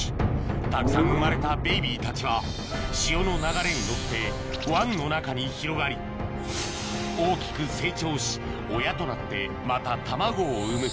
たくさん生まれたベビーたちは潮の流れに乗って湾の中に広がり大きく成長し親となってまた卵を産む